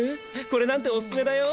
これなんておすすめだよ。